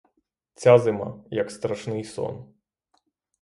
Ця зима — як страшний сон.